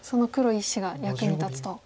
１子が役に立つと。